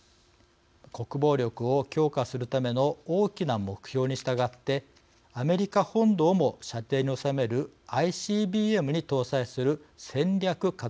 国防力を強化するための大きな目標に従ってアメリカ本土をも射程に収めるＩＣＢＭに搭載する戦略核兵器。